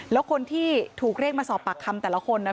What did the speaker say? แล้วคนที่ถูกเรียกมาสอบปากคำแต่ละคนนะ